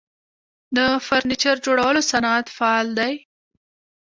د فرنیچر جوړولو صنعت فعال دی